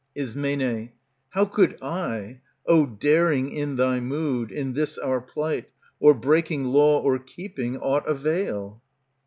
Ism, How could I, O daring in thy mood, in this our plight. Or breaking law or keeping, aught avail